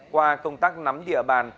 qua công tác nắm địa bàn